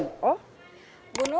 tidak ada apa apa